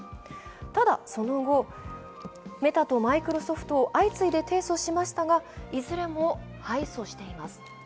ただ、その後、メタとマイクロソフトを相次いで提訴しましたが、いずれも敗訴しています。